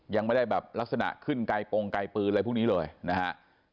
ยังไม่ได้แบบลักษณะขึ้นไกลปงไกลปืนอะไรพวกนี้เลยนะฮะ